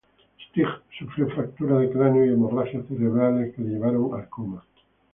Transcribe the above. Stig sufrió fractura de cráneo y hemorragias cerebrales que le llevaron al coma.